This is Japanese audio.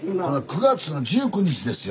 ９月の１９日ですよ。